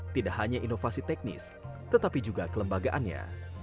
tidak hanya inovasi teknis tetapi juga kelembagaannya